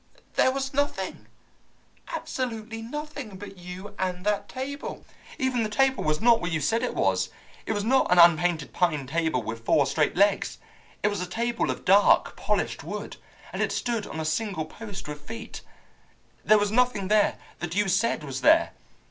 There was nothing, absolutely nothing, but you and that table! Even the table was not what you said it was. It was not an unpainted pine table with four straight legs. It was a table of dark polished wood, and it stood on a single post with feet. There was nothing there that you said was there.